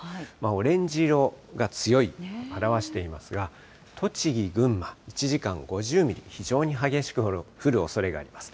オレンジ色が強い、表していますが、栃木、群馬、１時間５０ミリ、非常に激しく降るおそれがあります。